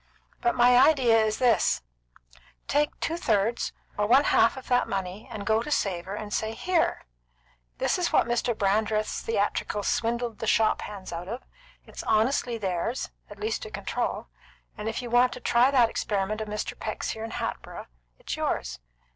"But my idea is this: Take two thirds or one half of that money, and go to Savor, and say: 'Here! This is what Mr. Brandreth's theatricals swindled the shop hands out of. It's honestly theirs, at least to control; and if you want to try that experiment of Mr. Peck's here in Hatboro', it's yours.